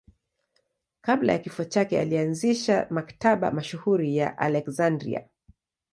Kabla ya kifo chake alianzisha Maktaba mashuhuri ya Aleksandria.